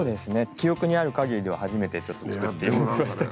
記憶にあるかぎりでは初めてちょっと作ってみましたけれども。